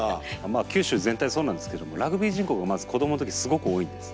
九州全体そうなんですけどもラグビー人口がまず子どもの時すごく多いんです。